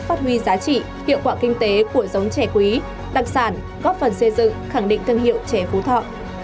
phát huy giá trị hiệu quả kinh tế của giống trẻ quý đặc sản góp phần xây dựng khẳng định thương hiệu chè phú thọ